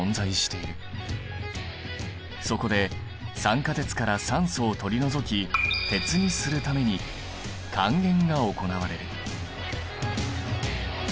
そこで酸化鉄から酸素を取り除き鉄にするために還元が行われる。